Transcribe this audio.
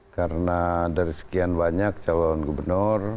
karena dari sekian banyak calon gubernur